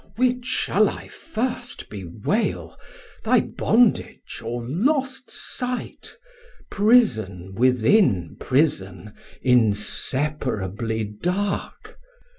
150 Which shall I first bewail, Thy Bondage or lost Sight, Prison within Prison Inseparably dark?